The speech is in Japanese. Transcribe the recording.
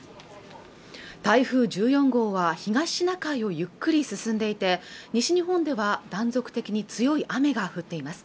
台風１４号は東シナ海をゆっくり進んでいて西日本では断続的に強い雨が降っています